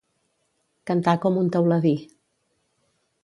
Cantar com un teuladí.